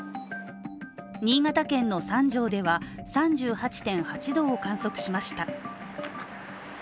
新潟県の三条では、３８．８度を観測しました。